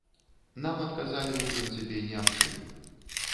Нам адказалі, у прынцыпе, ні аб чым.